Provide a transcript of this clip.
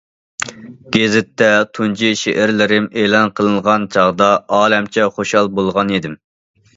گېزىتتە تۇنجى شېئىرلىرىم ئېلان قىلىنغان چاغدا ئالەمچە خۇشال بولغانىدىم.